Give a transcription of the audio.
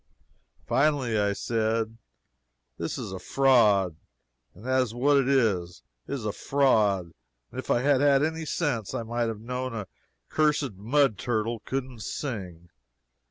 Finally I said, This is a fraud that is what it is, it is a fraud and if I had had any sense I might have known a cursed mud turtle couldn't sing.